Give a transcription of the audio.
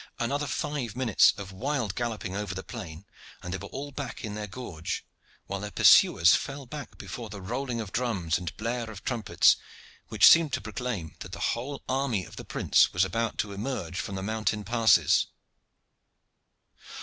Another five minutes of wild galloping over the plain, and they were all back in their gorge, while their pursuers fell back before the rolling of drums and blare of trumpets, which seemed to proclaim that the whole army of the prince was about to emerge from the mountain passes.